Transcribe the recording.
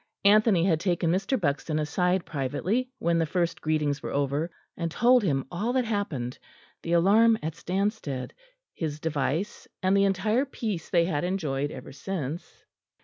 Anthony had taken Mr. Buxton aside privately when the first greetings were over, and told him all that happened: the alarm at Stanstead; his device, and the entire peace they had enjoyed ever since.